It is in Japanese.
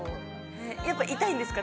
やっぱ痛いんですか？